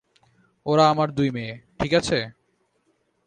ওরা আমার দুই মেয়ে, ঠিক আছে?